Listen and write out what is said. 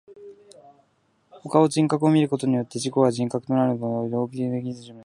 他を人格と見ることによって自己が人格となるという道徳的原理は、これに基づくものでなければならない。